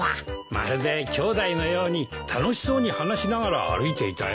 まるできょうだいのように楽しそうに話しながら歩いていたよ。